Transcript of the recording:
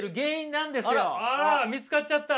あら見つかっちゃった？